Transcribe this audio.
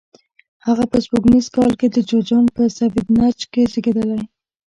هغه په سپوږمیز کال د جوزجان په سفید نج کې زیږېدلی.